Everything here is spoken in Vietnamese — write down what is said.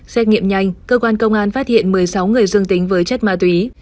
xét nghiệm nhanh cơ quan công an phát hiện một mươi sáu người dương tính với chất ma túy